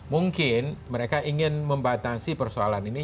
mungkin mereka ingin membatasi persoalan ini